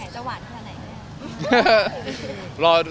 แหน่งจะหวานขนาดไหนเนี่ย